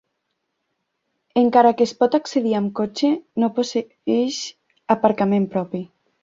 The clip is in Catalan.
Encara que es pot accedir amb cotxe, no posseeix aparcament propi.